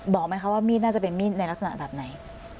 บอกมั้ยคะว่ามีดเป็นน่าจะเป็นในลักษณะแบบไหน